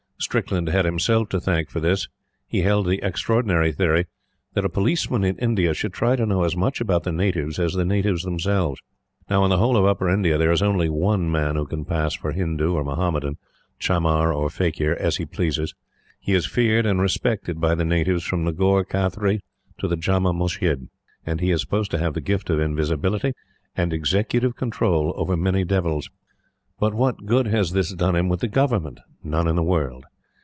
Strickland had himself to thank for this. He held the extraordinary theory that a Policeman in India should try to know as much about the natives as the natives themselves. Now, in the whole of Upper India, there is only ONE man who can pass for Hindu or Mohammedan, chamar or faquir, as he pleases. He is feared and respected by the natives from the Ghor Kathri to the Jamma Musjid; and he is supposed to have the gift of invisibility and executive control over many Devils. But what good has this done him with the Government? None in the world.